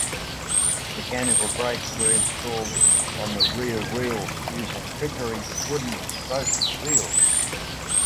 Mechanical brakes were installed on the rear wheels using hickory wooden spoked wheels.